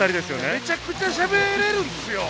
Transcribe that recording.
めちゃくちゃしゃべれるんですよね。